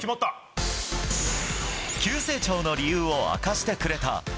急成長の理由を明かしてくれた。